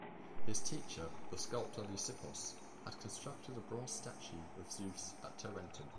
His teacher, the sculptor Lysippos, had constructed a bronze statue of Zeus at Tarentum.